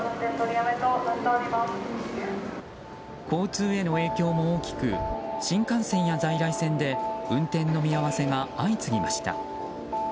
交通への影響も大きく新幹線や在来線で運転の見合わせが相次ぎました。